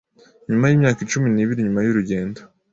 nyuma yimyaka cumi n'ibiri nyuma y'urugendo